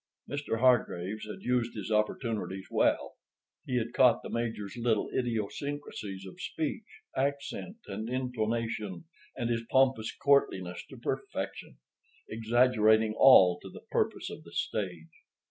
Mr. Hargraves had used his opportunities well. He had caught the Major's little idiosyncrasies of speech, accent, and intonation and his pompous courtliness to perfection—exaggerating all to the purpose of the stage.